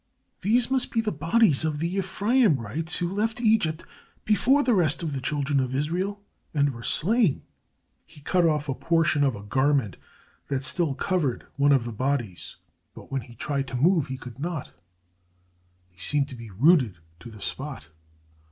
"These must be the bodies of the Ephraimites who left Egypt before the rest of the children of Israel and were slain." He cut off a portion of a garment that still covered one of the bodies, but when he tried to move he could not. He seemed to be rooted to the spot.